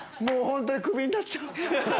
本当にクビになっちゃう。